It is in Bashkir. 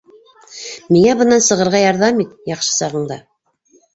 Миңә бынан сығырға ярҙам ит, яҡшы сағыңда!